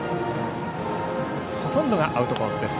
ほとんどがアウトコースです。